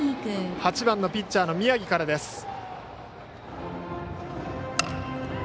８番、ピッチャーの宮城からです。